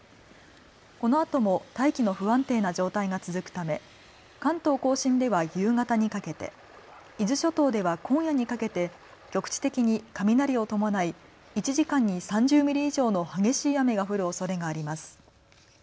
このあとも大気の不安定な状態が続くため関東甲信では夕方にかけて、伊豆諸島では今夜にかけて局地的に雷を伴い１時間に３０ミリ以上の激しい雨が降るおそれがあります。